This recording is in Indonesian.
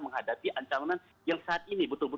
menghadapi ancaman yang saat ini